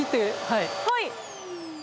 はい。